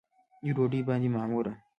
یوې ډوډۍ باندې معموره